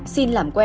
xin làm quen